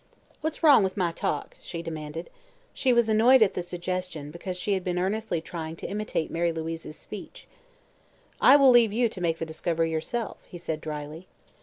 "What's wrong with my talk?" she demanded. She was annoyed at the suggestion, because she had been earnestly trying to imitate Mary Louise's speech. "I will leave you to make the discovery yourself," he said dryly.